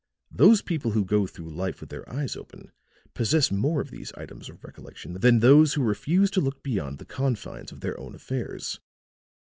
Those people who go through life with their eyes open possess more of these items of recollection than those who refuse to look beyond the confines of their own affairs.